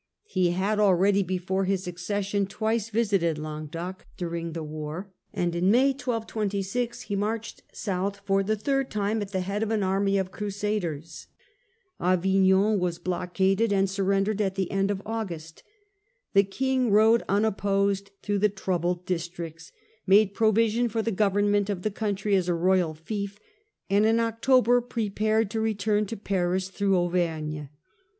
He had already, before his accession, twice visited Languedoc durino the war, and in May 1226 he marched south, for Crusade the third time, at the head of an army of Crusaders. o?louS Avignon was blockaded, and surrendered at the end of JJ,yj ' August. The King rode unopposed through the troubled districts, made provision for the government of the country as a royal fief, and in October prepared to return to Paris through Auvergne.